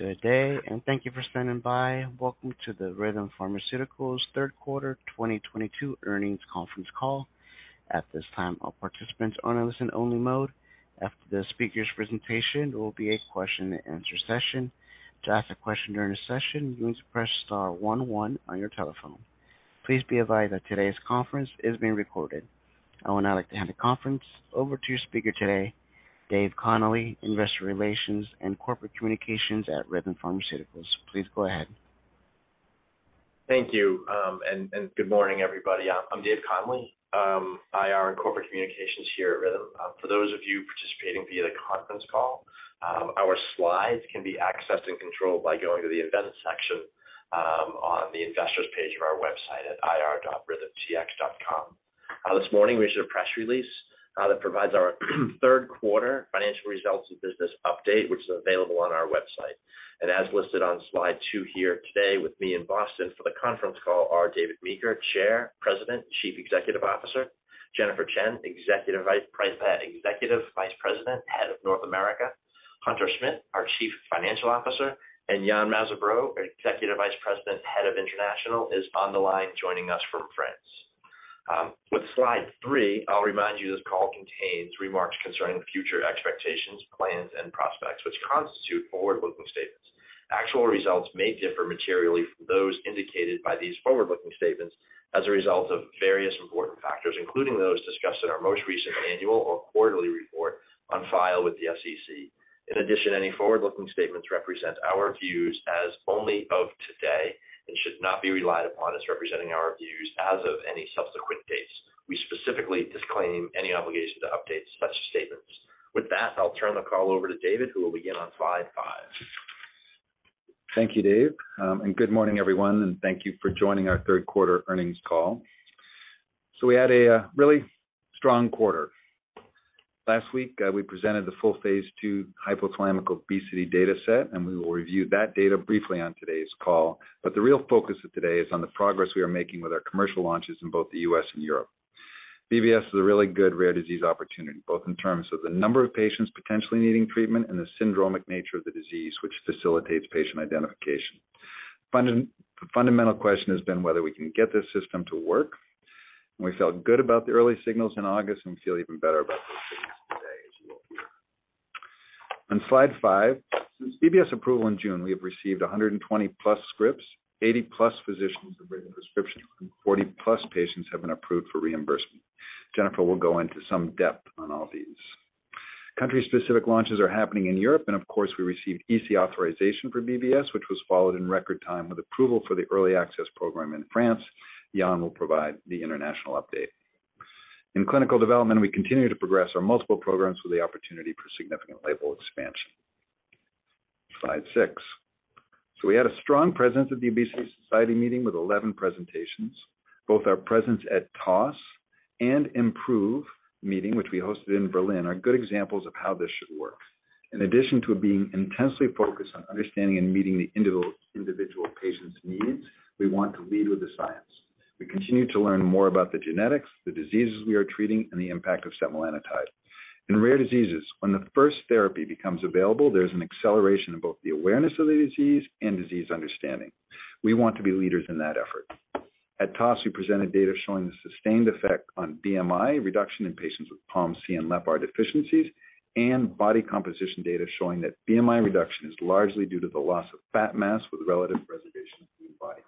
Good day, and thank you for standing by. Welcome to the Rhythm Pharmaceuticals third quarter 2022 earnings conference call. At this time, all participants are in a listen only mode. After the speaker's presentation, there will be a question and answer session. To ask a question during the session, you need to press star one one on your telephone. Please be advised that today's conference is being recorded. I would now like to hand the conference over to your speaker today, David Connolly, Investor Relations and Corporate Communications at Rhythm Pharmaceuticals. Please go ahead. Thank you, good morning, everybody. I'm David Connolly, IR and Corporate Communications here at Rhythm. For those of you participating via the conference call, our slides can be accessed and controlled by going to the investors section on the investors page of our website at ir.rhythmtx.com. This morning we issued a press release that provides our third quarter financial results and business update, which is available on our website. As listed on slide two here today with me in Boston for the conference call are David Meeker, Chair, President, Chief Executive Officer. Jennifer Chien, Executive Vice President, Head of North America. Hunter Smith, our Chief Financial Officer, and Yann Mazabraud, Executive Vice President, Head of International, is on the line joining us from France. With slide three, I'll remind you this call contains remarks concerning future expectations, plans, and prospects, which constitute forward-looking statements. Actual results may differ materially from those indicated by these forward-looking statements as a result of various important factors, including those discussed in our most recent annual or quarterly report on file with the SEC. In addition, any forward-looking statements represent our views as only of today and should not be relied upon as representing our views as of any subsequent date. We specifically disclaim any obligation to update such statements. With that, I'll turn the call over to David, who will begin on slide five. Thank you, Dave. Good morning, everyone, and thank you for joining our third quarter earnings call. We had a really strong quarter. Last week, we presented the full phase two hypothalamic obesity data set, and we will review that data briefly on today's call. The real focus of today is on the progress we are making with our commercial launches in both the U.S. and Europe. BBS is a really good rare disease opportunity, both in terms of the number of patients potentially needing treatment and the syndromic nature of the disease, which facilitates patient identification. Fundamental question has been whether we can get this system to work, and we felt good about the early signals in August and feel even better about those signals today, as you will hear. On slide five. Since BBS approval in June, we have received 120+ scripts. 80+ physicians have written prescriptions, and 40+ patients have been approved for reimbursement. Jennifer will go into some depth on all these. Country-specific launches are happening in Europe, and of course, we received EC authorization for BBS, which was followed in record time with approval for the early access program in France. Yann will provide the international update. In clinical development, we continue to progress our multiple programs with the opportunity for significant label expansion. Slide six. We had a strong presence at the Obesity Society meeting with 11 presentations. Both our presence at TOS and IMPROVE meeting, which we hosted in Berlin, are good examples of how this should work. In addition to being intensely focused on understanding and meeting the individual patient's needs, we want to lead with the science. We continue to learn more about the genetics, the diseases we are treating, and the impact of setmelanotide. In rare diseases, when the first therapy becomes available, there's an acceleration in both the awareness of the disease and disease understanding. We want to be leaders in that effort. At TOS, we presented data showing the sustained effect on BMI reduction in patients with POMC and LEPR deficiencies and body composition data showing that BMI reduction is largely due to the loss of fat mass with relative preservation of lean body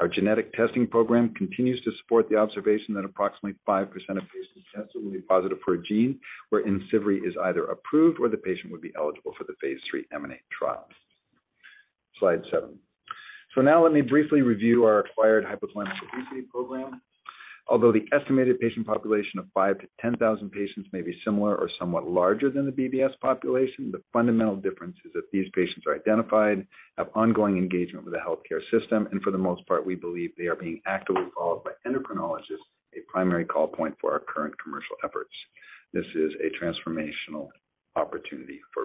mass. Our genetic testing program continues to support the observation that approximately 5% of patients tested will be positive for a gene wherein IMCIVREE is either approved or the patient would be eligible for the phase 3 EMA trials. Slide 7. Now let me briefly review our acquired hypothalamic obesity program. Although the estimated patient population of 5-10,000 patients may be similar or somewhat larger than the BBS population, the fundamental difference is that these patients are identified, have ongoing engagement with the healthcare system, and for the most part, we believe they are being actively followed by endocrinologists, a primary call point for our current commercial efforts. This is a transformational opportunity for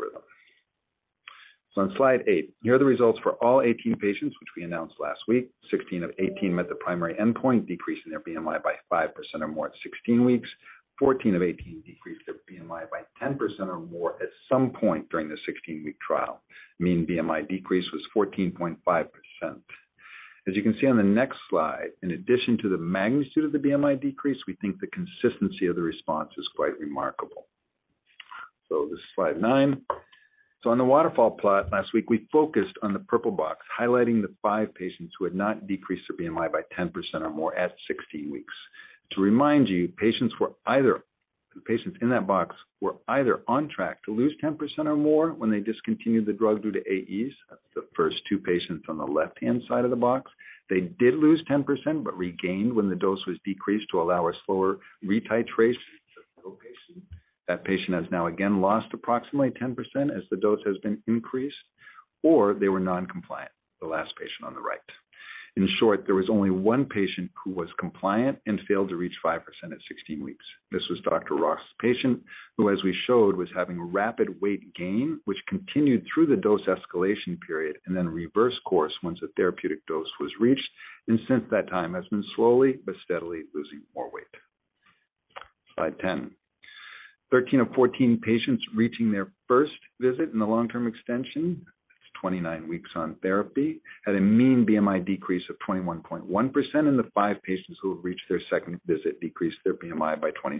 Rhythm. On slide eight. Here are the results for all 18 patients, which we announced last week. Sixteen of 18 met the primary endpoint decrease in their BMI by 5% or more at 16 weeks. Fourteen of 18 decreased their BMI by 10% or more at some point during the 16-week trial. Mean BMI decrease was 14.5%. As you can see on the next slide, in addition to the magnitude of the BMI decrease, we think the consistency of the response is quite remarkable. This is slide 9. On the waterfall plot last week, we focused on the purple box, highlighting the 5 patients who had not decreased their BMI by 10% or more at 16 weeks. To remind you, the patients in that box were either on track to lose 10% or more when they discontinued the drug due to AEs. That's the first 2 patients on the left-hand side of the box. They did lose 10%, but regained when the dose was decreased to allow a slower re-titrate. The third patient has now again lost approximately 10% as the dose has been increased. Or they were non-compliant, the last patient on the right. In short, there was only one patient who was compliant and failed to reach 5% at 16 weeks. This was Dr. Ross' patient, who, as we showed, was having rapid weight gain, which continued through the dose escalation period and then reversed course once a therapeutic dose was reached. Since that time has been slowly but steadily losing more weight. Slide 10. Thirteen of 14 patients reaching their first visit in the long-term extension, that's 29 weeks on therapy, had a mean BMI decrease of 21.1%, and the 5 patients who have reached their second visit decreased their BMI by 26.7%.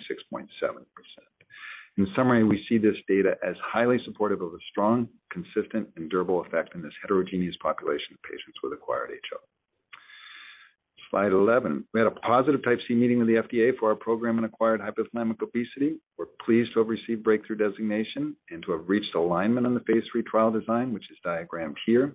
In summary, we see this data as highly supportive of a strong, consistent, and durable effect in this heterogeneous population of patients with acquired HO. Slide 11. We had a positive Type C meeting with the FDA for our program in acquired hypothalamic obesity. We're pleased to have received breakthrough designation and to have reached alignment on the phase 3 trial design, which is diagrammed here.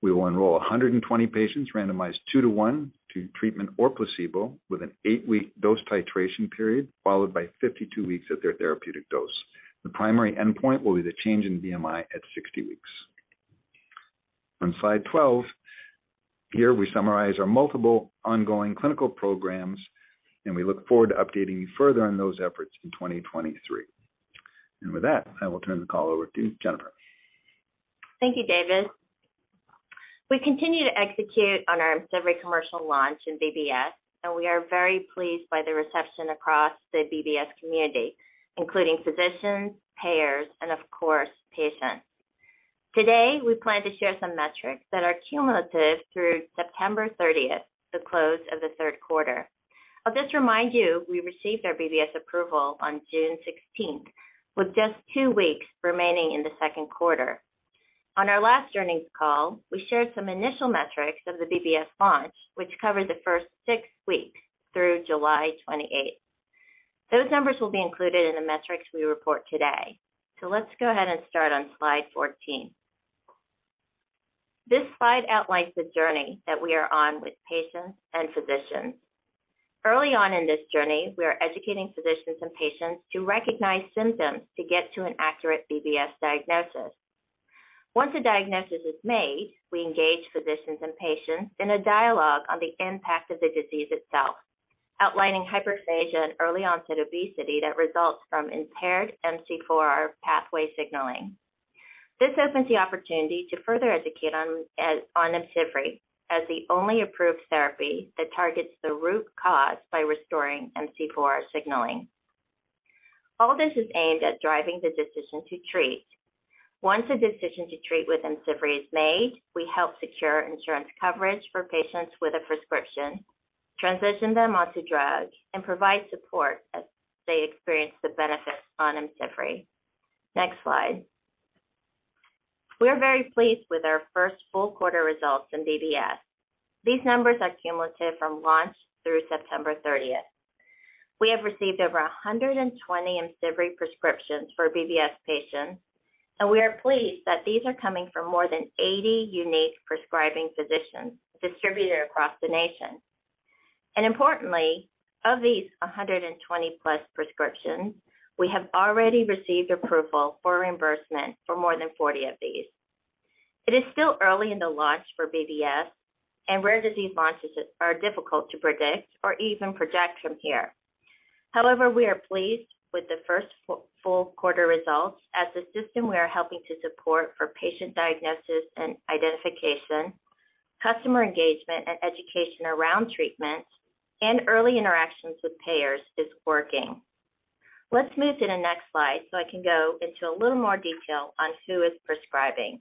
We will enroll 120 patients randomized 2 to 1 to treatment or placebo with an 8-week dose titration period, followed by 52 weeks at their therapeutic dose. The primary endpoint will be the change in BMI at 60 weeks. On slide 12, here we summarize our multiple ongoing clinical programs, and we look forward to updating you further on those efforts in 2023. With that, I will turn the call over to Jennifer. Thank you, David. We continue to execute on our IMCIVREE commercial launch in BBS, and we are very pleased by the reception across the BBS community, including physicians, payers, and of course, patients. Today, we plan to share some metrics that are cumulative through September 30, the close of the third quarter. I'll just remind you, we received our BBS approval on June 16, with just two weeks remaining in the second quarter. On our last earnings call, we shared some initial metrics of the BBS launch, which covered the first 6 weeks through July 28. Those numbers will be included in the metrics we report today. Let's go ahead and start on slide 14. This slide outlines the journey that we are on with patients and physicians. Early on in this journey, we are educating physicians and patients to recognize symptoms to get to an accurate BBS diagnosis. Once a diagnosis is made, we engage physicians and patients in a dialogue on the impact of the disease itself, outlining hyperphagia and early onset obesity that results from impaired MC4R pathway signaling. This opens the opportunity to further educate on IMCIVREE as the only approved therapy that targets the root cause by restoring MC4R signaling. All this is aimed at driving the decision to treat. Once a decision to treat with IMCIVREE is made, we help secure insurance coverage for patients with a prescription, transition them onto drug, and provide support as they experience the benefits on IMCIVREE. Next slide. We are very pleased with our first full quarter results in BBS. These numbers are cumulative from launch through September 30. We have received over 120 IMCIVREE prescriptions for BBS patients, and we are pleased that these are coming from more than 80 unique prescribing physicians distributed across the nation. Importantly, of these 120-plus prescriptions, we have already received approval for reimbursement for more than 40 of these. It is still early in the launch for BBS, and rare disease launches are difficult to predict or even project from here. However, we are pleased with the first full quarter results as the system we are helping to support for patient diagnosis and identification, customer engagement, and education around treatments, and early interactions with payers is working. Let's move to the next slide so I can go into a little more detail on who is prescribing.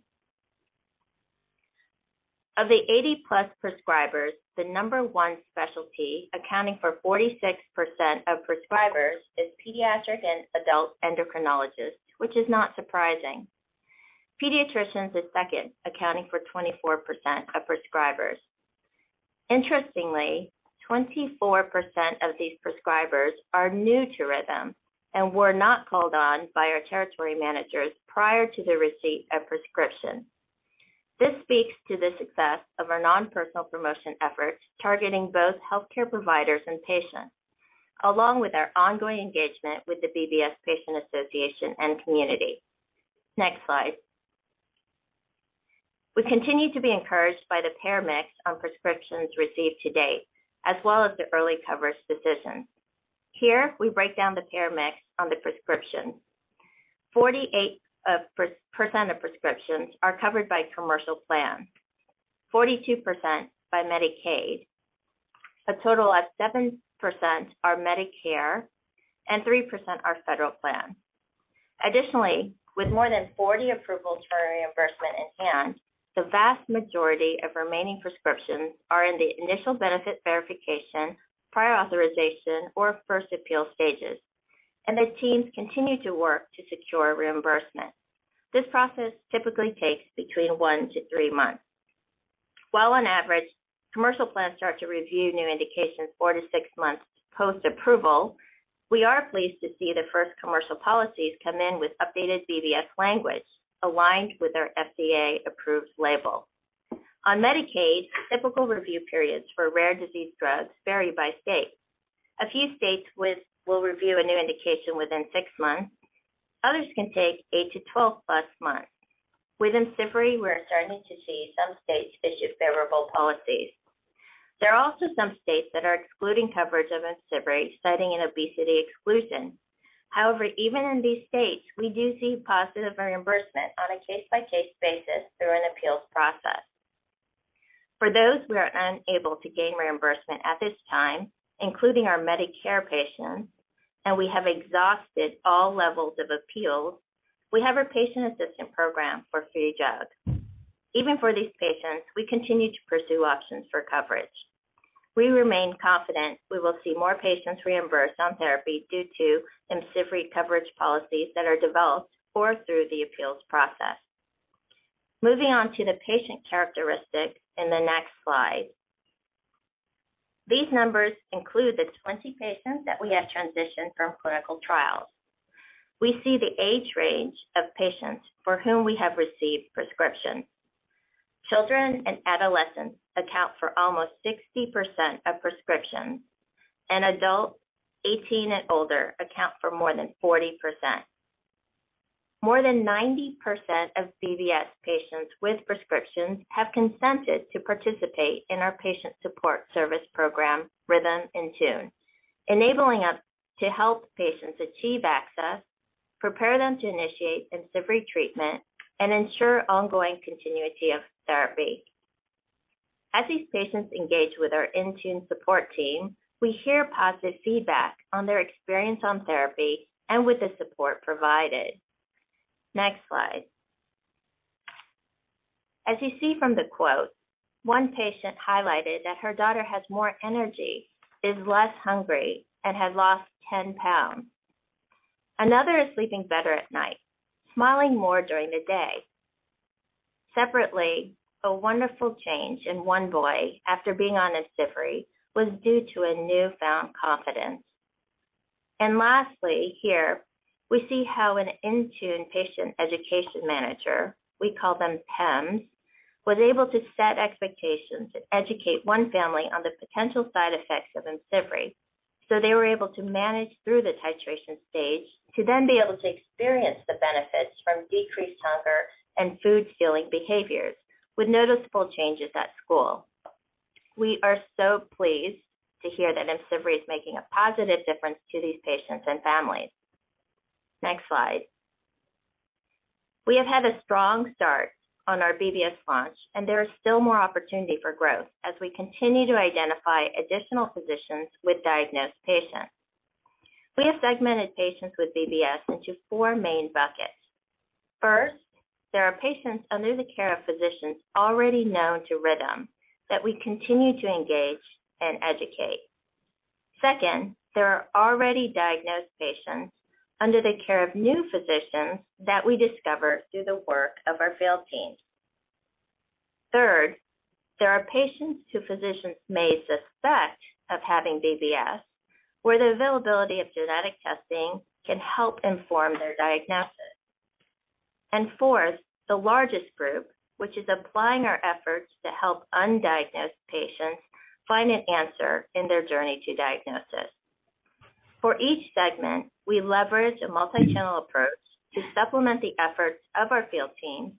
Of the 80+ prescribers, the number one specialty accounting for 46% of prescribers is pediatric and adult endocrinologists, which is not surprising. Pediatricians is second, accounting for 24% of prescribers. Interestingly, 24% of these prescribers are new to Rhythm and were not called on by our territory managers prior to the receipt of prescription. This speaks to the success of our non-personal promotion efforts targeting both healthcare providers and patients, along with our ongoing engagement with the BBS Patient Association and community. Next slide. We continue to be encouraged by the payer mix on prescriptions received to date, as well as the early coverage decisions. Here, we break down the payer mix on the prescriptions. 48% of prescriptions are covered by commercial plans, 42% by Medicaid. A total of 7% are Medicare, and 3% are federal plans. Additionally, with more than 40 approvals for reimbursement in hand, the vast majority of remaining prescriptions are in the initial benefit verification, prior authorization, or first appeal stages, and the teams continue to work to secure reimbursement. This process typically takes between 1-3 months. While on average, commercial plans start to review new indications 4-6 months post-approval, we are pleased to see the first commercial policies come in with updated BBS language aligned with our FDA-approved label. On Medicaid, typical review periods for rare disease drugs vary by state. A few states will review a new indication within 6 months. Others can take 8-12-plus months. With IMCIVREE, we're starting to see some states issue favorable policies. There are also some states that are excluding coverage of IMCIVREE, citing an obesity exclusion. However, even in these states, we do see positive reimbursement on a case-by-case basis through an appeals process. For those we are unable to gain reimbursement at this time, including our Medicare patients, and we have exhausted all levels of appeals, we have a patient assistance program for free drugs. Even for these patients, we continue to pursue options for coverage. We remain confident we will see more patients reimbursed on therapy due to IMCIVREE coverage policies that are developed or through the appeals process. Moving on to the patient characteristics in the next slide. These numbers include the 20 patients that we have transitioned from clinical trials. We see the age range of patients for whom we have received prescriptions. Children and adolescents account for almost 60% of prescriptions, and adults 18 and older account for more than 40%. More than 90% of BBS patients with prescriptions have consented to participate in our patient support service program, Rhythm InTune, enabling us to help patients achieve access, prepare them to initiate IMCIVREE treatment, and ensure ongoing continuity of therapy. As these patients engage with our InTune support team, we hear positive feedback on their experience on therapy and with the support provided. Next slide. As you see from the quote, one patient highlighted that her daughter has more energy, is less hungry, and has lost 10 pounds. Another is sleeping better at night, smiling more during the day. Separately, a wonderful change in one boy after being on IMCIVREE was due to a newfound confidence. Lastly, here, we see how an InTune patient education manager, we call them PEMs, was able to set expectations and educate one family on the potential side effects of IMCIVREE, so they were able to manage through the titration stage to then be able to experience the benefits from decreased hunger and food-seeking behaviors with noticeable changes at school. We are so pleased to hear that IMCIVREE is making a positive difference to these patients and families. Next slide. We have had a strong start on our BBS launch and there is still more opportunity for growth as we continue to identify additional physicians with diagnosed patients. We have segmented patients with BBS into four main buckets. First, there are patients under the care of physicians already known to Rhythm that we continue to engage and educate. Second, there are already diagnosed patients under the care of new physicians that we discover through the work of our field teams. Third, there are patients who physicians may suspect of having BBS, where the availability of genetic testing can help inform their diagnosis. Fourth, the largest group, which is applying our efforts to help undiagnosed patients find an answer in their journey to diagnosis. For each segment, we leverage a multi-channel approach to supplement the efforts of our field team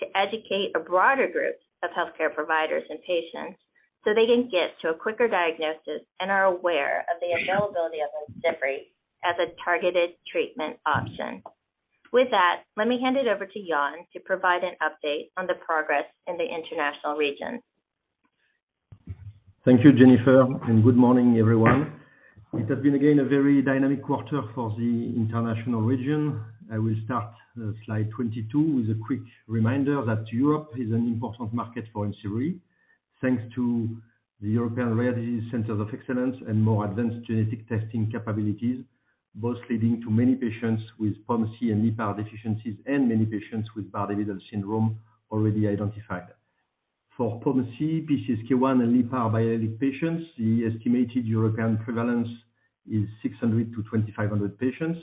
to educate a broader group of healthcare providers and patients so they can get to a quicker diagnosis and are aware of the availability of IMCIVREE as a targeted treatment option. With that, let me hand it over to Yann to provide an update on the progress in the international region. Thank you, Jennifer, and good morning, everyone. It has been again a very dynamic quarter for the international region. I will start slide 22 with a quick reminder that Europe is an important market for IMCIVREE. Thanks to the European Rare Disease Centre of Excellence and more advanced genetic testing capabilities, both leading to many patients with POMC and LEPR deficiencies and many patients with Bardet-Biedl syndrome already identified. For POMC, PCSK1 and LEPR biallelic patients, the estimated European prevalence is 600-2,500 patients,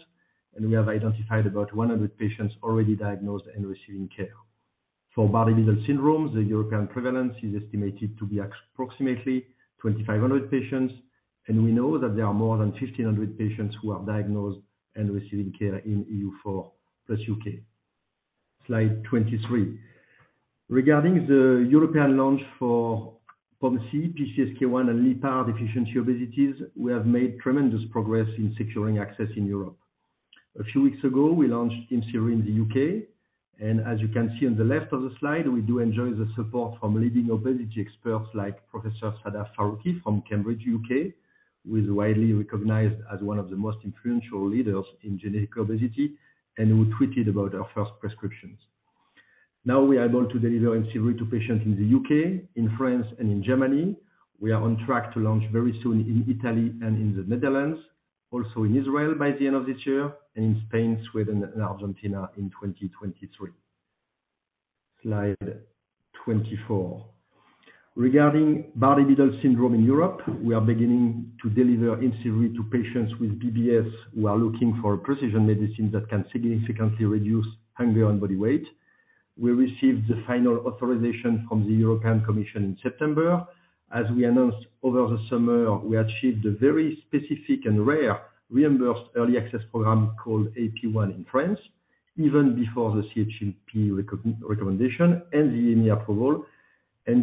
and we have identified about 100 patients already diagnosed and receiving care. For Bardet-Biedl syndrome, the European prevalence is estimated to be approximately 2,500 patients, and we know that there are more than 1,500 patients who are diagnosed and receiving care in EU4 + UK. Slide 23. Regarding the European launch for POMC, PCSK1 and LEPR deficiency obesities, we have made tremendous progress in securing access in Europe. A few weeks ago, we launched IMCIVREE in the U.K., and as you can see on the left of the slide, we do enjoy the support from leading obesity experts like Professor Sadaf Farooqi from Cambridge, U.K., who is widely recognized as one of the most influential leaders in genetic obesity, and who tweeted about our first prescriptions. Now we are able to deliver IMCIVREE to patients in the U.K., in France and in Germany. We are on track to launch very soon in Italy and in the Netherlands, also in Israel by the end of this year and in Spain, Sweden and Argentina in 2023. Slide 24. Regarding Bardet-Biedl syndrome in Europe, we are beginning to deliver IMCIVREE to patients with BBS who are looking for precision medicine that can significantly reduce hunger and body weight. We received the final authorization from the European Commission in September. As we announced over the summer, we achieved a very specific and rare reimbursed early access program called AP1 in France, even before the CHMP recommendation and the EMA approval.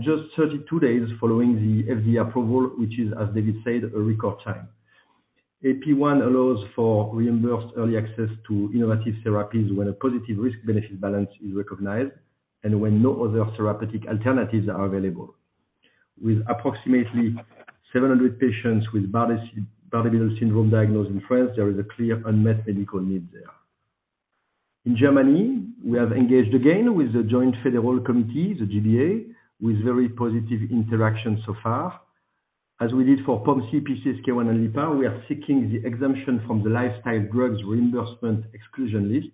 Just 32 days following the FDA approval, which is, as David said, a record time. AP1 allows for reimbursed early access to innovative therapies when a positive risk-benefit balance is recognized and when no other therapeutic alternatives are available. With approximately 700 patients with Bardet-Biedl syndrome diagnosed in France, there is a clear unmet medical need there. In Germany, we have engaged again with the Federal Joint Committee, the G-BA, with very positive interaction so far. As we did for POMC, PCSK1, and LEPR, we are seeking the exemption from the lifestyle drugs reimbursement exclusion list,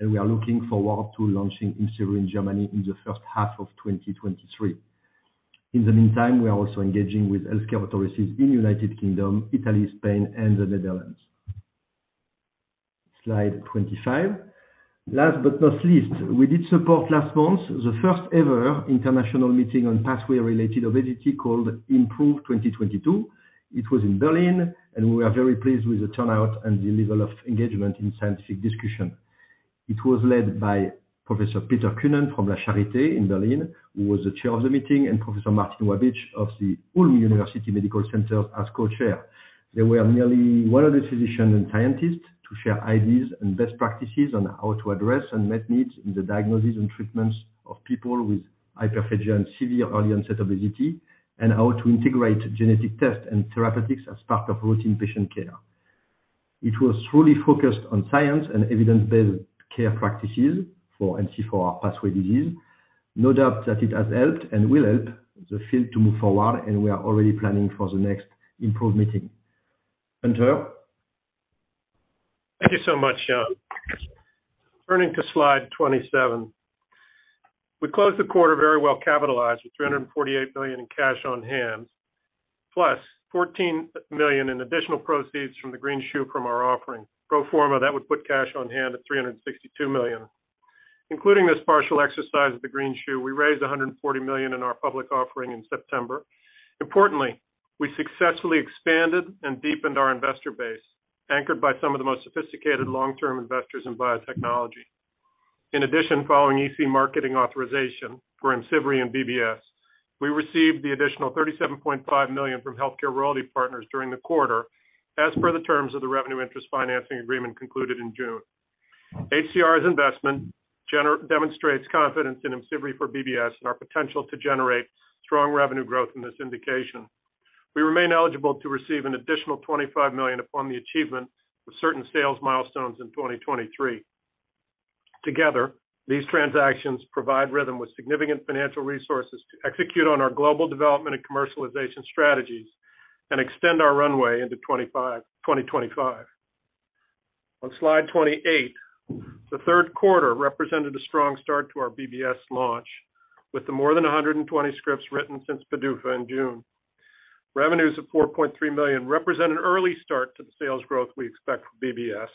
and we are looking forward to launching in Germany in the first half of 2023. In the meantime, we are also engaging with healthcare authorities in United Kingdom, Italy, Spain, and the Netherlands. Slide 25. Last but not least, we did support last month the first-ever international meeting on pathway-related obesity called IMPROVE 2022. It was in Berlin, and we are very pleased with the turnout and the level of engagement in scientific discussion. It was led by Professor Peter Kühnen from Charité in Berlin, who was the chair of the meeting, and Professor Martin Wabitsch of the Ulm University Medical Center as co-chair. There were nearly 100 physicians and scientists to share ideas and best practices on how to address unmet needs in the diagnosis and treatments of people with hyperphagia and severe early-onset obesity and how to integrate genetic testing and therapeutics as part of routine patient care. It was fully focused on science and evidence-based care practices for MC4R pathway disease. No doubt that it has helped and will help the field to move forward, and we are already planning for the next IMPROVE meeting. Hunter? Thank you so much, Jean. Turning to slide 27. We closed the quarter very well capitalized with $348 million in cash on hand, plus $14 million in additional proceeds from the greenshoe from our offering. Pro forma, that would put cash on hand at $362 million. Including this partial exercise of the greenshoe, we raised $140 million in our public offering in September. Importantly, we successfully expanded and deepened our investor base, anchored by some of the most sophisticated long-term investors in biotechnology. In addition, following EC marketing authorization for IMCIVREE and BBS, we received the additional $37.5 million from HealthCare Royalty Partners during the quarter as per the terms of the revenue interest financing agreement concluded in June. HCR's investment demonstrates confidence in IMCIVREE for BBS and our potential to generate strong revenue growth in this indication. We remain eligible to receive an additional $25 million upon the achievement of certain sales milestones in 2023. Together, these transactions provide Rhythm with significant financial resources to execute on our global development and commercialization strategies and extend our runway into 2025. On slide 28, the third quarter represented a strong start to our BBS launch with more than 120 scripts written since PDUFA in June. Revenues of $4.3 million represent an early start to the sales growth we expect from BBS,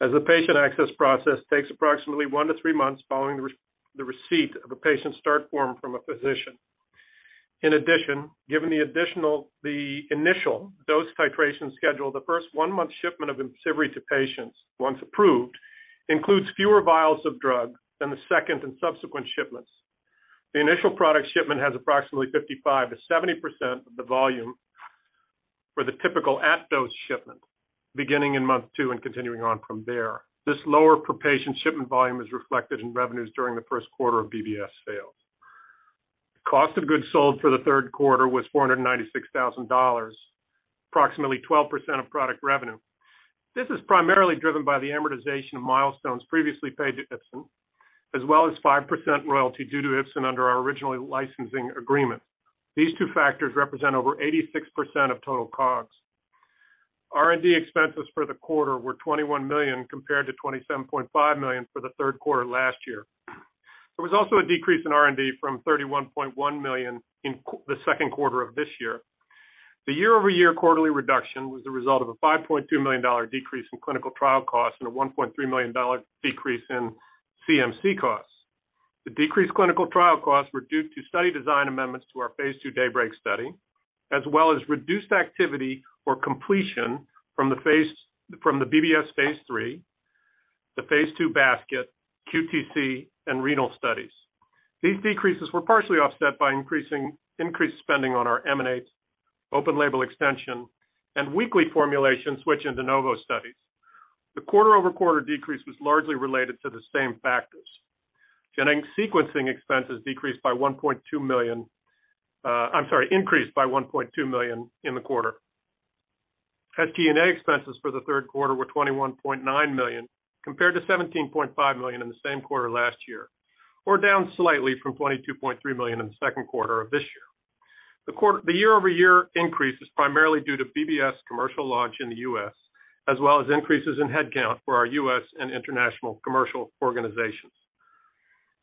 as the patient access process takes approximately 1-3 months following the receipt of a patient start form from a physician. In addition, given the initial dose titration schedule, the first 1-month shipment of IMCIVREE to patients, once approved, includes fewer vials of drug than the second and subsequent shipments. The initial product shipment has approximately 55%-70% of the volume for the typical at-dose shipment beginning in month 2 and continuing on from there. This lower per-patient shipment volume is reflected in revenues during the first quarter of BBS sales. Cost of goods sold for the third quarter was $496,000, approximately 12% of product revenue. This is primarily driven by the amortization of milestones previously paid to Ipsen, as well as 5% royalty due to Ipsen under our original licensing agreement. These two factors represent over 86% of total COGS. R&D expenses for the quarter were $21 million compared to $27.5 million for the third quarter last year. There was also a decrease in R&D from $31.1 million in the second quarter of this year. The year-over-year quarterly reduction was a result of a $5.2 million decrease in clinical trial costs and a $1.3 million decrease in CMC costs. The decreased clinical trial costs were due to study design amendments to our phase 2 DAYBREAK study, as well as reduced activity or completion from the BBS phase 3, the phase 2 basket, QTC, and renal studies. These decreases were partially offset by increased spending on our M&A, open label extension, and weekly formulation switch in de novo studies. The quarter-over-quarter decrease was largely related to the same factors. Genetic sequencing expenses increased by $1.2 million in the quarter. SG&A expenses for the third quarter were $21.9 million, compared to $17.5 million in the same quarter last year, or down slightly from $22.3 million in the second quarter of this year. The year-over-year increase is primarily due to BBS commercial launch in the US, as well as increases in headcount for our US and international commercial organizations.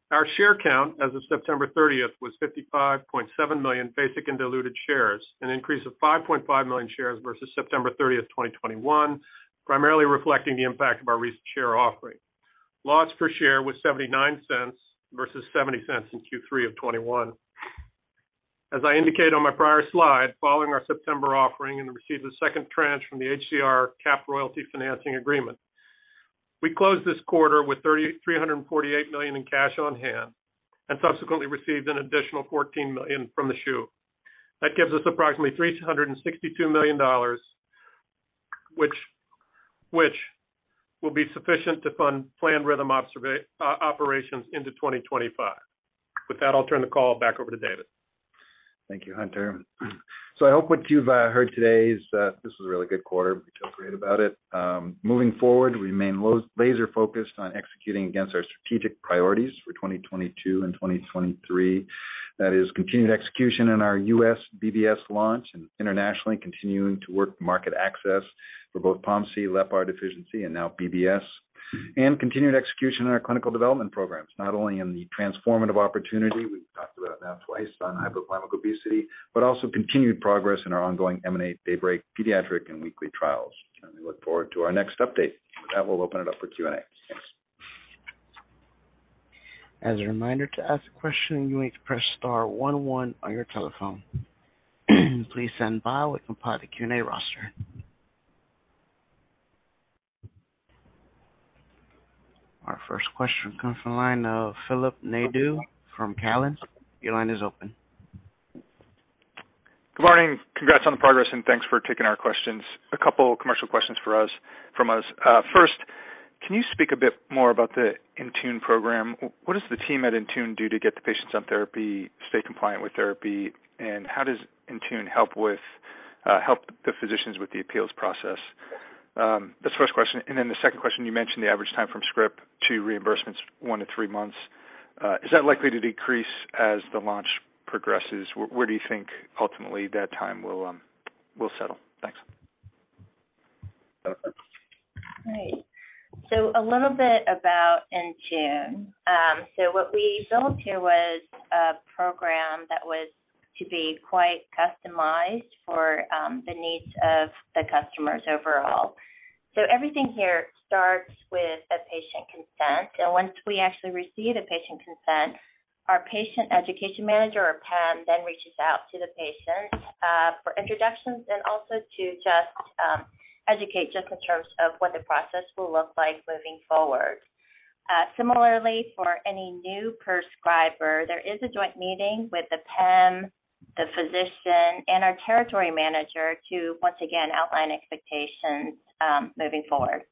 Our share count as of September 30 was 55.7 million basic and diluted shares, an increase of 5.5 million shares versus September 30, 2021, primarily reflecting the impact of our recent share offering. Loss per share was $0.79 versus $0.70 in Q3 of 2021. As I indicated on my prior slide, following our September offering and received the second tranche from the HCR capped royalty financing agreement. We closed this quarter with $348 million in cash on hand and subsequently received an additional $14 million from the greenshoe. That gives us approximately $362 million which will be sufficient to fund planned Rhythm operations into 2025. With that, I'll turn the call back over to David. Thank you, Hunter. I hope what you've heard today is that this was a really good quarter. We feel great about it. Moving forward, we remain laser focused on executing against our strategic priorities for 2022 and 2023. That is continued execution in our US BBS launch and internationally continuing to work market access for both POMC, LEPR deficiency and now BBS. Continued execution in our clinical development programs, not only in the transformative opportunity we've talked about now twice on hypothalamic obesity, but also continued progress in our ongoing MC4R and DAYBREAK pediatric and weekly trials. We look forward to our next update. With that, we'll open it up for Q&A. Thanks. As a reminder, to ask a question, you need to press star one one on your telephone. Please stand by while we compile the Q&A roster. Our first question comes from the line of Phil Nadeau from Cowen. Your line is open. Good morning. Congrats on the progress and thanks for taking our questions. A couple commercial questions from us. First, can you speak a bit more about the InTune program? What does the team at InTune do to get the patients on therapy, stay compliant with therapy, and how does InTune help the physicians with the appeals process? That's the first question. The second question, you mentioned the average time from script to reimbursements 1-3 months. Is that likely to decrease as the launch progresses? Where do you think ultimately that time will settle? Thanks. Becca. Right. A little bit about InTune. What we built here was a program that was to be quite customized for, the needs of the customers overall. Everything here starts with a patient consent. Once we actually receive the patient consent, our patient education manager or PEM then reaches out to the patient, for introductions and also to just, educate just in terms of what the process will look like moving forward. Similarly, for any new prescriber, there is a joint meeting with the PEM, the physician, and our territory manager to once again outline expectations, moving forward.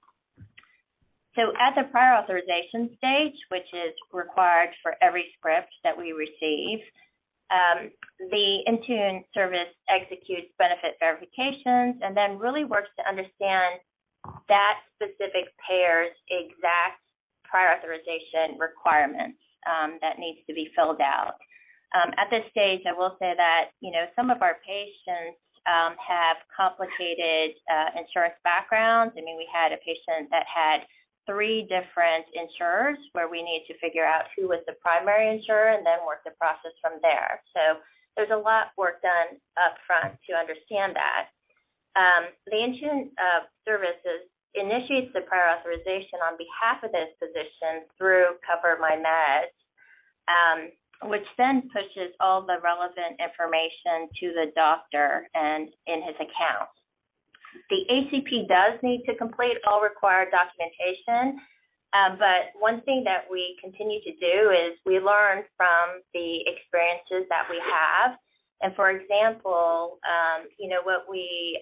At the prior authorization stage, which is required for every script that we receive, the InTune service executes benefit verifications and then really works to understand that specific payer's exact prior authorization requirements, that needs to be filled out. At this stage, I will say that, you know, some of our patients have complicated insurance backgrounds. I mean, we had a patient that had 3 different insurers where we need to figure out who was the primary insurer and then work the process from there. There's a lot work done up front to understand that. The InTune services initiates the prior authorization on behalf of this physician through CoverMyMeds, which then pushes all the relevant information to the doctor and in his account. The HCP does need to complete all required documentation. One thing that we continue to do is we learn from the experiences that we have. For example, you know, what we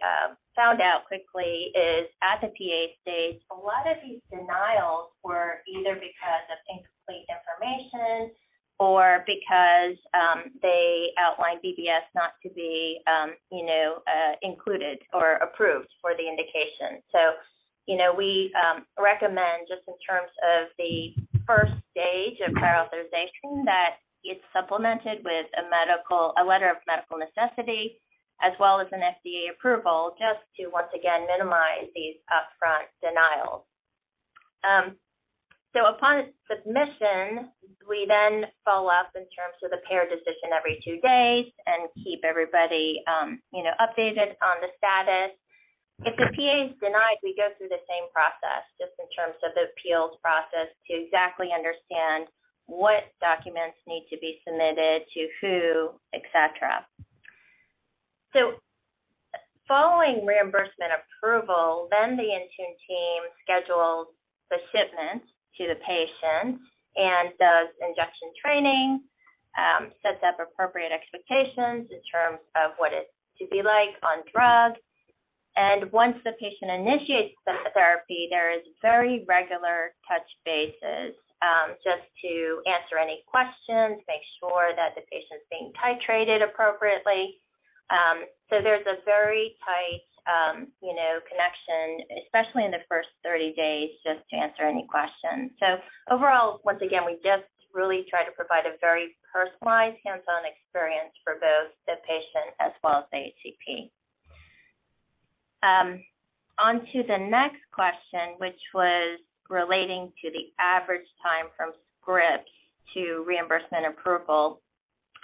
found out quickly is at the PA stage, a lot of these denials were either because of incomplete information or because they outlined BBS not to be, you know, included or approved for the indication. We recommend just in terms of the first stage of prior authorization that it's supplemented with a letter of medical necessity as well as an FDA approval just to once again minimize these upfront denials. Upon submission, we then follow up in terms of the payer decision every two days and keep everybody, you know, updated on the status. If the PA is denied, we go through the same process just in terms of the appeals process to exactly understand what documents need to be submitted to who, et cetera. Following reimbursement approval, then the InTune team schedules the shipment to the patient and does injection training, sets up appropriate expectations in terms of what it's to be like on drug. Once the patient initiates the therapy, there is very regular touch bases, just to answer any questions, make sure that the patient's being titrated appropriately. There's a very tight, you know, connection, especially in the first 30 days, just to answer any questions. Overall, once again, we just really try to provide a very personalized hands-on experience for both the patient as well as the HCP. On to the next question, which was relating to the average time from script to reimbursement approval.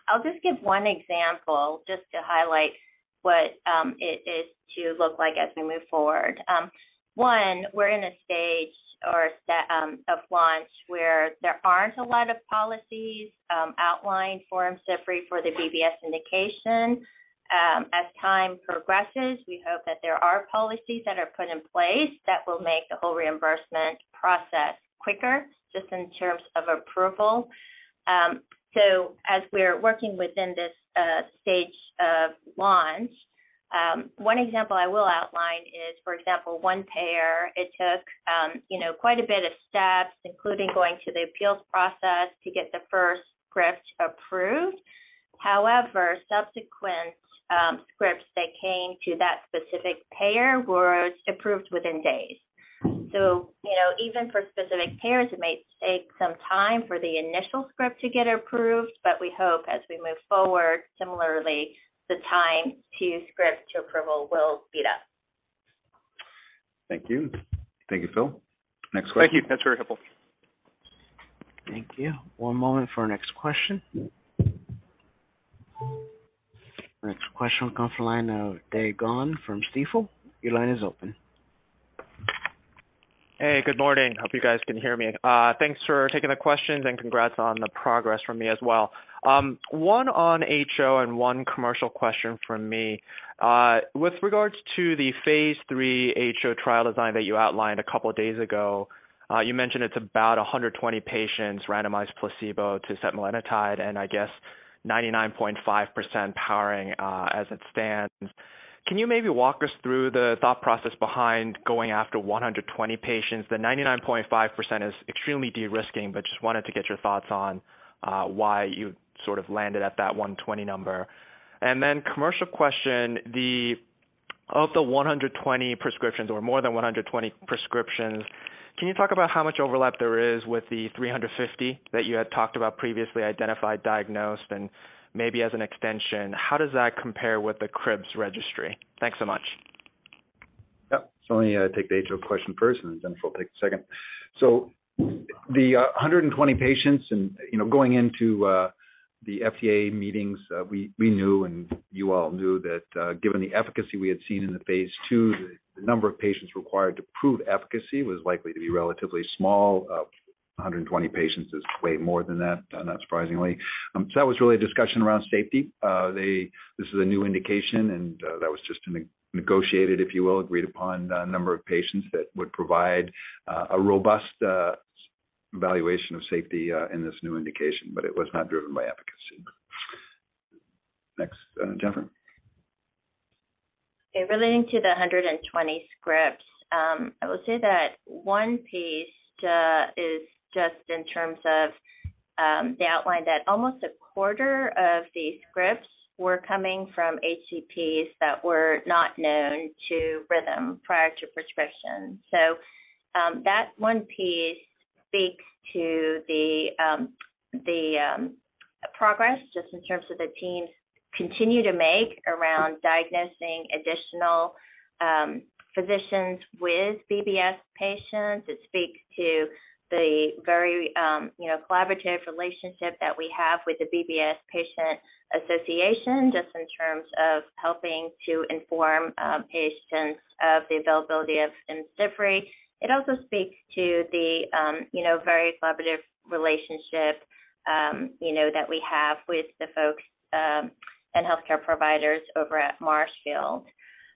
I'll just give one example just to highlight what it is to look like as we move forward. One, we're in a stage or set of launch where there aren't a lot of policies outlined for MSIFRI for the BBS indication. As time progresses, we hope that there are policies that are put in place that will make the whole reimbursement process quicker just in terms of approval. As we're working within this stage of launch, one example I will outline is, for example, one payer, it took you know, quite a bit of steps, including going to the appeals process to get the first script approved. However, subsequent scripts that came to that specific payer were approved within days. You know, even for specific payers, it may take some time for the initial script to get approved, but we hope as we move forward, similarly, the time to script to approval will speed up. Thank you. Thank you, Phil. Next question. Thank you. That's very helpful. Thank you. One moment for our next question. Next question comes from the line of Dae Gon Ha from Stifel. Your line is open. Hey, good morning. Hope you guys can hear me. Thanks for taking the questions and congrats on the progress from me as well. One on HO and one commercial question from me. With regards to the phase 3 HO trial design that you outlined a couple of days ago, you mentioned it's about 120 patients randomized placebo to setmelanotide, and I guess 99.5% powering, as it stands. Can you maybe walk us through the thought process behind going after 120 patients? The 99.5% is extremely de-risking, but just wanted to get your thoughts on why you sort of landed at that 120 number. Commercial question, the of the 120 prescriptions or more than 120 prescriptions, can you talk about how much overlap there is with the 350 that you had talked about previously identified, diagnosed? Maybe as an extension, how does that compare with the CRIBBS registry? Thanks so much. Let me take the HO question first, and then Phil take the second. The 120 patients and, you know, going into the FDA meetings, we knew and you all knew that, given the efficacy we had seen in the phase 2, the number of patients required to prove efficacy was likely to be relatively small. 120 patients is way more than that, not surprisingly. That was really a discussion around safety. This is a new indication, and that was just negotiated, if you will, agreed upon a number of patients that would provide a robust evaluation of safety in this new indication, but it was not driven by efficacy. Next, Jennifer. Okay. Relating to the 120 scripts, I will say that one piece is just in terms of the uptake that almost a quarter of the scripts were coming from HCPs that were not known to Rhythm prior to prescription. That one piece speaks to the progress just in terms of the teams continue to make around diagnosing additional patients with BBS patients. It speaks to the very you know collaborative relationship that we have with the BBS Patient Association, just in terms of helping to inform patients of the availability of IMCIVREE. It also speaks to the you know very collaborative relationship you know that we have with the folks and healthcare providers over at Marshfield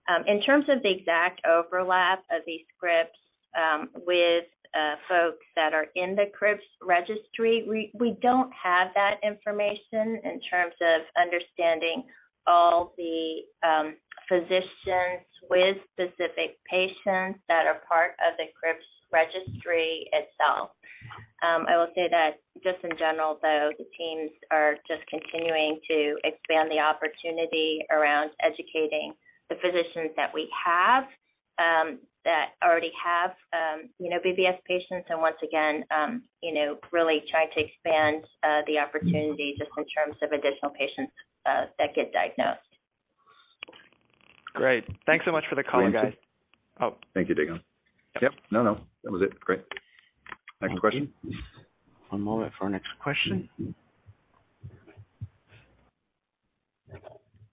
Clinic. In terms of the exact overlap of these scripts with folks that are in the CRIBBS registry, we don't have that information in terms of understanding all the physicians with specific patients that are part of the CRIBBS registry itself. I will say that just in general, though, the teams are just continuing to expand the opportunity around educating the physicians that we have that already have, you know, BBS patients. Once again, you know, really trying to expand the opportunity just in terms of additional patients that get diagnosed. Great. Thanks so much for the call, guys. Thank you. Oh. Thank you, Dae Gon Ha. Yep. No, no. That was it. Great. Next question. Thank you. One moment for our next question.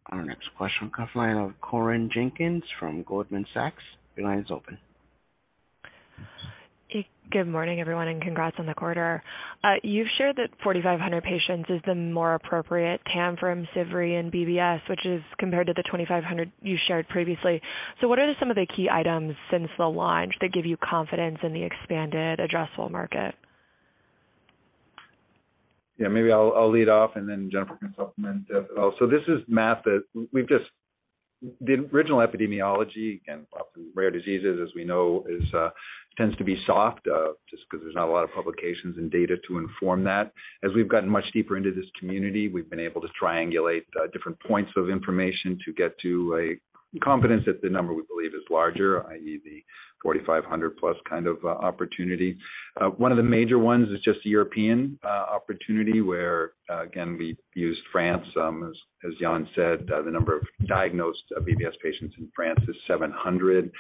Our next question comes from the line of Corinne Jenkins from Goldman Sachs. Your line is open. Good morning, everyone, and congrats on the quarter. You've shared that 4,500 patients is the more appropriate TAM from MC4R and BBS, which is compared to the 2,500 you shared previously. What are some of the key items since the launch that give you confidence in the expanded addressable market? Yeah, maybe I'll lead off and then Jennifer can supplement as well. This is math. The original epidemiology and often rare diseases, as we know, tends to be soft just 'cause there's not a lot of publications and data to inform that. As we've gotten much deeper into this community, we've been able to triangulate different points of information to get to a confidence that the number we believe is larger, i.e., the 4,500 plus kind of opportunity. One of the major ones is just the European opportunity where, again, we used France. As Yann said, the number of diagnosed BBS patients in France is 700.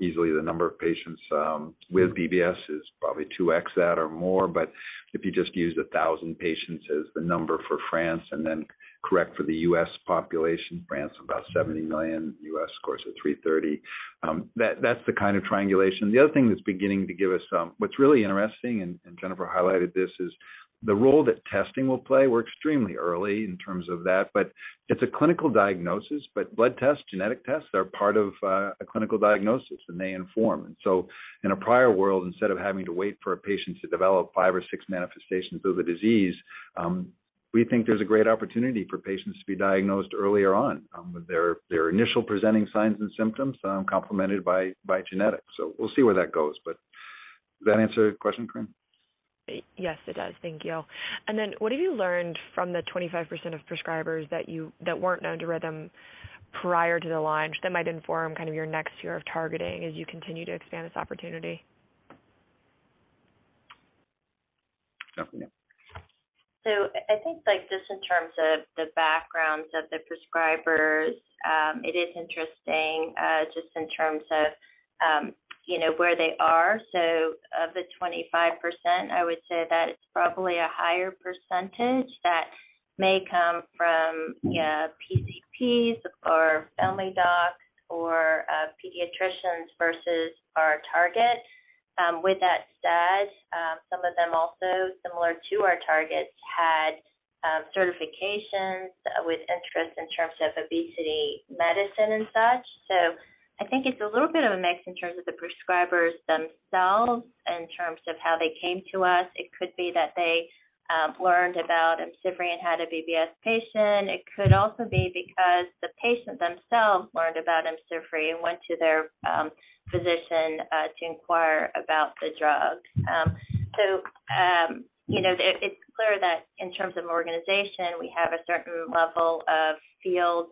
Easily the number of patients with BBS is probably 2X that or more. If you just used a thousand patients as the number for France and then correct for the US population, France, about 70 million, US, of course, at 330. That's the kind of triangulation. The other thing that's beginning to give us, what's really interesting, and Jennifer highlighted this, is the role that testing will play. We're extremely early in terms of that, but it's a clinical diagnosis, but blood tests, genetic tests are part of a clinical diagnosis, and they inform. In a prior world, instead of having to wait for a patient to develop five or six manifestations of the disease, we think there's a great opportunity for patients to be diagnosed earlier on, with their initial presenting signs and symptoms, complemented by genetics. We'll see where that goes. Does that answer your question, Corinne? Yes, it does. Thank you. What have you learned from the 25% of prescribers that weren't known to Rhythm prior to the launch that might inform kind of your next year of targeting as you continue to expand this opportunity? Jennifer. I think, like, just in terms of the backgrounds of the prescribers, it is interesting, just in terms of, you know, where they are. Of the 25%, I would say that it's probably a higher percentage that may come from, you know, PCPs or family docs or, pediatricians versus our target. With that said, some of them also, similar to our targets, had, certifications with interest in terms of obesity medicine and such. I think it's a little bit of a mix in terms of the prescribers themselves in terms of how they came to us. It could be that they, learned about IMCIVREE and had a BBS patient. It could also be because the patient themselves learned about IMCIVREE and went to their, physician, to inquire about the drug. You know, it's clear that in terms of organization, we have a certain level of field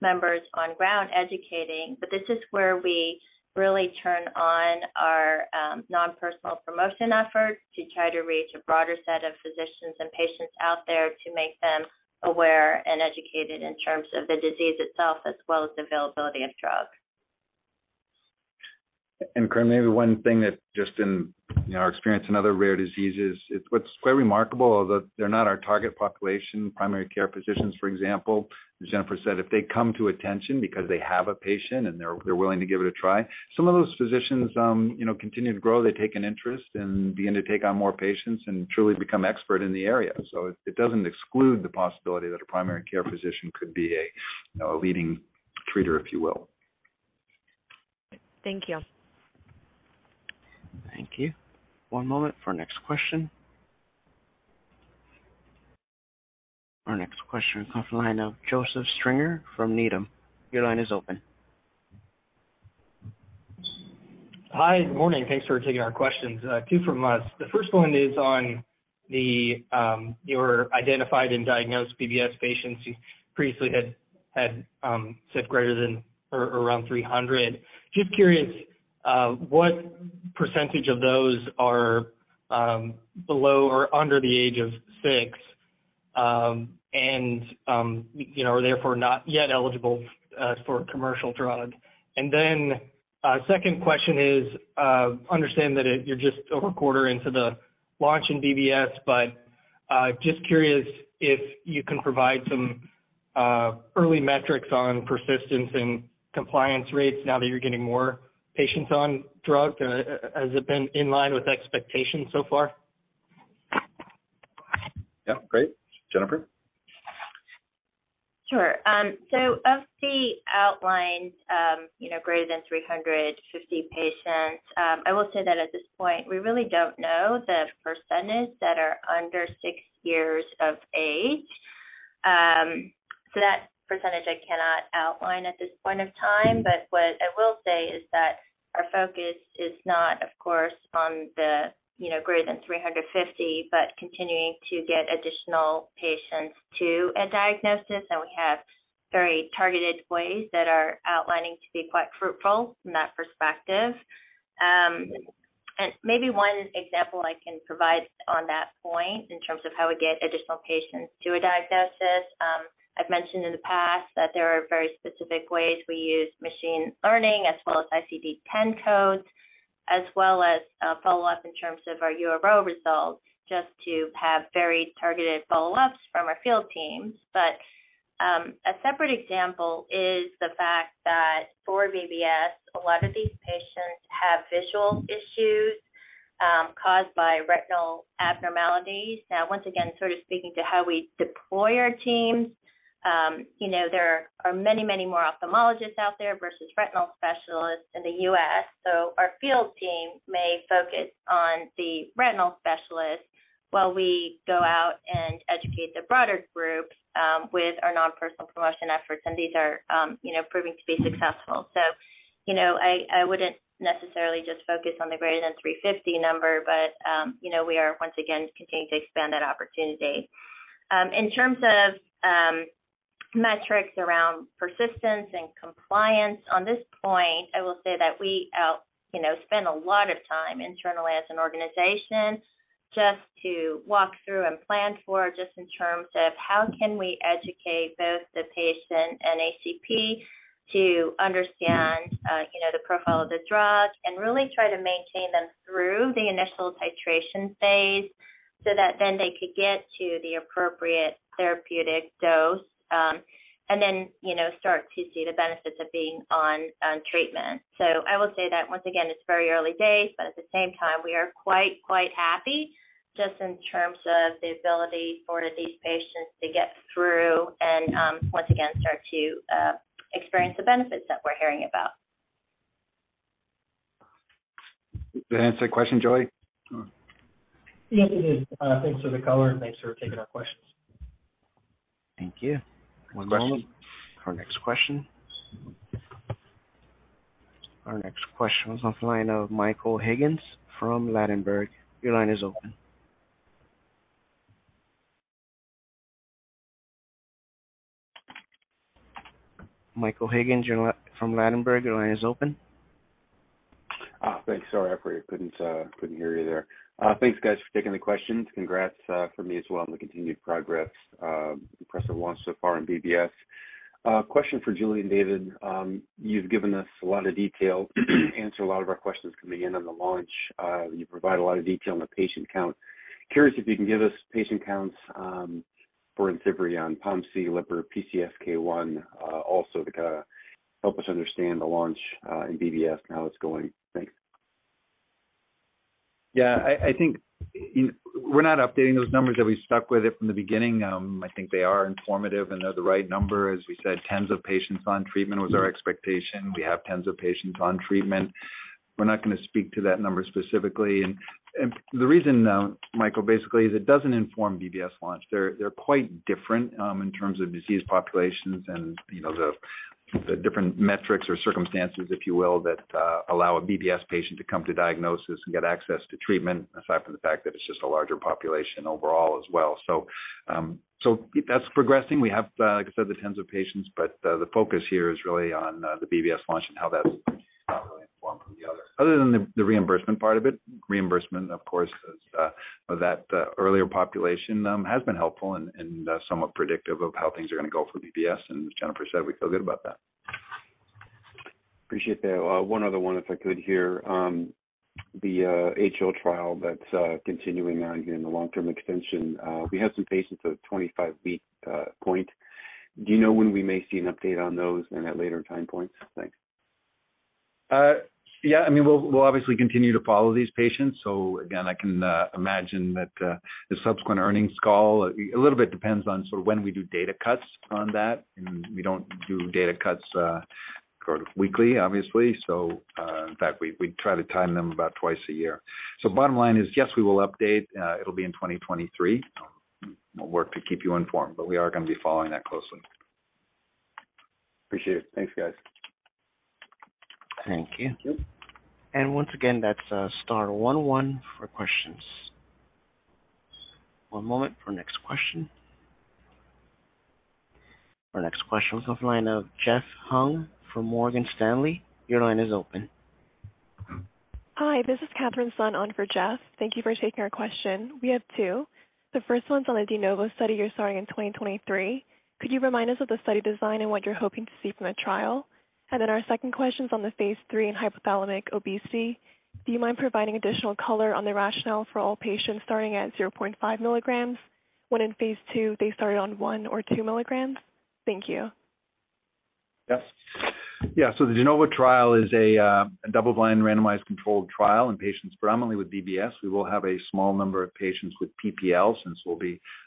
members on ground educating, but this is where we really turn on our non-personal promotion efforts to try to reach a broader set of physicians and patients out there to make them aware and educated in terms of the disease itself as well as availability of drug. Corinne, maybe one thing that just in, you know, our experience in other rare diseases, it's what's quite remarkable although they're not our target population, primary care physicians, for example, as Jennifer said, if they come to attention because they have a patient and they're willing to give it a try, some of those physicians, you know, continue to grow. They take an interest and begin to take on more patients and truly become expert in the area. It doesn't exclude the possibility that a primary care physician could be a, you know, a leading treater, if you will. Thank you. Thank you. One moment for our next question. Our next question comes from the line of Joseph Stringer from Needham. Your line is open. Hi, good morning. Thanks for taking our questions. Two from us. The first one is on the your identified and diagnosed BBS patients you previously had said greater than or around 300. Just curious, what percentage of those are below or under the age of 6, and you know, are therefore not yet eligible for a commercial drug? Second question is, understand that you're just over a quarter into the launch in BBS, but just curious if you can provide some early metrics on persistence and compliance rates now that you're getting more patients on drug. Has it been in line with expectations so far? Yeah, great. Jennifer? Sure. So of the outlined, you know, greater than 350 patients, I will say that at this point, we really don't know the percentage that are under six years of age. That percentage I cannot outline at this point of time. What I will say is that our focus is not, of course, on the, you know, greater than 350, but continuing to get additional patients to a diagnosis. We have very targeted ways that are proving to be quite fruitful from that perspective. Maybe one example I can provide on that point in terms of how we get additional patients to a diagnosis. I've mentioned in the past that there are very specific ways we use machine learning as well as ICD-10 codes, as well as a follow-up in terms of our URO results, just to have very targeted follow-ups from our field teams. A separate example is the fact that for BBS, a lot of these patients have visual issues, caused by retinal abnormalities. Now, once again, sort of speaking to how we deploy our teams, you know, there are many, many more ophthalmologists out there versus retinal specialists in the U.S. Our field team may focus on the retinal specialists while we go out and educate the broader group, with our non-personal promotion efforts. These are, you know, proving to be successful. You know, I wouldn't necessarily just focus on the greater than 350 number, but, you know, we are once again continuing to expand that opportunity. In terms of metrics around persistence and compliance, on this point, I will say that we, you know, spend a lot of time internally as an organization just to walk through and plan for just in terms of how can we educate both the patient and ACP to understand, you know, the profile of the drug and really try to maintain them through the initial titration phase so that then they could get to the appropriate therapeutic dose, and then, you know, start to see the benefits of being on treatment. I will say that once again, it's very early days, but at the same time, we are quite happy just in terms of the ability for these patients to get through and once again start to experience the benefits that we're hearing about. Did that answer the question, Joey? Yes, it did. Thanks for the color, and thanks for taking our questions. Thank you. One moment for our next question. Our next question is on the line of Michael Higgins from Ladenburg. Your line is open. Michael Higgins, from Ladenburg, your line is open. Thanks. Sorry, I appreciate it. Couldn't hear you there. Thanks guys for taking the questions. Congrats from me as well on the continued progress. Impressive launch so far in BBS. Question for Julie and David. You've given us a lot of detail, answered a lot of our questions coming in on the launch. You provide a lot of detail on the patient count. Curious if you can give us patient counts for the launch in POMC, LEPR, PCSK1, also to kinda help us understand the launch in BBS and how it's going. Thanks. Yeah. I think we're not updating those numbers that we stuck with it from the beginning. I think they are informative, and they're the right number. As we said, tens of patients on treatment was our expectation. We have tens of patients on treatment. We're not gonna speak to that number specifically. The reason, Michael, basically, is it doesn't inform BBS launch. They're quite different in terms of disease populations and, you know, the different metrics or circumstances, if you will, that allow a BBS patient to come to diagnosis and get access to treatment, aside from the fact that it's just a larger population overall as well. That's progressing. We have, like I said, the tens of patients, but the focus here is really on the BBS launch and how that's really informed from the other. Other than the reimbursement part of it. Reimbursement, of course, is that earlier population has been helpful and somewhat predictive of how things are gonna go for BBS. As Jennifer said, we feel good about that. Appreciate that. One other one if I could here. The HO trial that's continuing on here in the long-term extension, we have some patients at a 25-week point. Do you know when we may see an update on those and at later time points? Thanks. Yeah. I mean, we'll obviously continue to follow these patients. Again, I can imagine that the subsequent earnings call a little bit depends on sort of when we do data cuts on that, and we don't do data cuts sort of weekly, obviously. In fact we try to time them about twice a year. Bottom line is, yes, we will update. It'll be in 2023. We'll work to keep you informed, but we are gonna be following that closely. Appreciate it. Thanks, guys. Thank you. Thank you. Once again, that's star one one for questions. One moment for our next question. Our next question is on the line of Jeff Hung from Morgan Stanley. Your line is open. Hi, this is Katherine Sun on for Jeff. Thank you for taking our question. We have two. The first one's on the de novo study you're starting in 2023. Could you remind us of the study design and what you're hoping to see from the trial? Our second question's on the phase 3 in hypothalamic obesity. Do you mind providing additional color on the rationale for all patients starting at 0.5 milligrams, when in phase 2 they started on 1 or 2 milligrams? Thank you. Yes. Yeah, the de novo trial is a double-blind randomized controlled trial in patients predominantly with BBS. We will have a small number of patients with POMC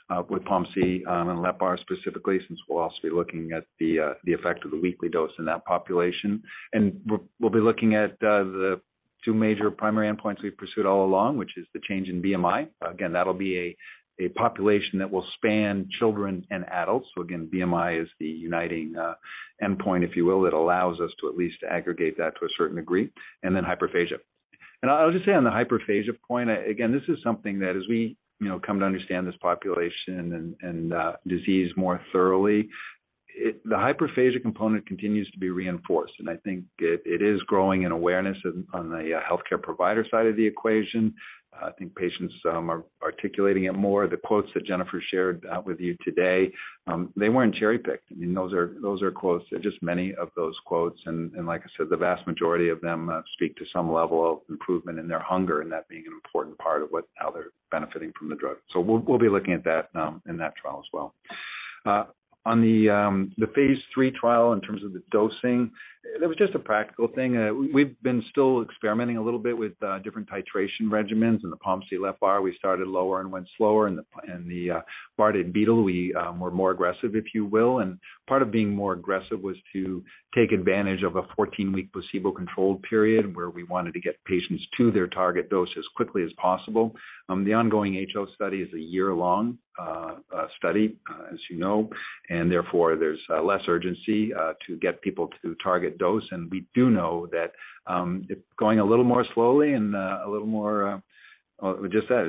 and LEPR specifically, since we'll also be looking at the effect of the weekly dose in that population. We'll be looking at the two major primary endpoints we've pursued all along, which is the change in BMI. Again, that'll be a population that will span children and adults. Again, BMI is the uniting endpoint, if you will, that allows us to at least aggregate that to a certain degree, and then hyperphagia. I'll just say on the hyperphagia point, again, this is something that as we, you know, come to understand this population and disease more thoroughly, the hyperphagia component continues to be reinforced, and I think it is growing in awareness on the healthcare provider side of the equation. I think patients are articulating it more. The quotes that Jennifer shared with you today, they weren't cherry-picked. I mean, those are quotes, just many of those quotes. Like I said, the vast majority of them speak to some level of improvement in their hunger and that being an important part of how they're benefiting from the drug. We'll be looking at that in that trial as well. On the phase three trial in terms of the dosing, it was just a practical thing. We've been still experimenting a little bit with different titration regimens in the POMC LEPR. We started lower and went slower in the BART and BEETLE. We were more aggressive, if you will. Part of being more aggressive was to take advantage of a 14-week placebo-controlled period where we wanted to get patients to their target dose as quickly as possible. The ongoing HO study is a year-long study, as you know, and therefore there's less urgency to get people to target dose. We do know that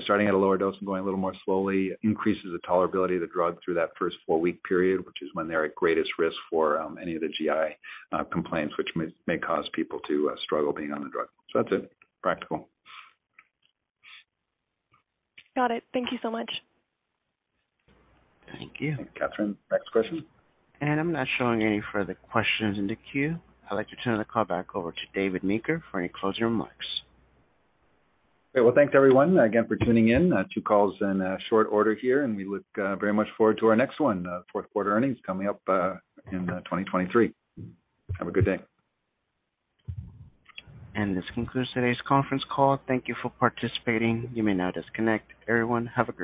starting at a lower dose and going a little more slowly increases the tolerability of the drug through that first four-week period, which is when they're at greatest risk for any of the GI complaints which may cause people to struggle being on the drug. That's it. Practical. Got it. Thank you so much. Thank you. Katherine, next question. I'm not showing any further questions in the queue. I'd like to turn the call back over to David Meeker for any closing remarks. Okay. Well, thanks everyone again for tuning in. Two calls in short order here, and we look very much forward to our next one, fourth quarter earnings coming up in 2023. Have a good day. This concludes today's conference call. Thank you for participating. You may now disconnect. Everyone, have a good night.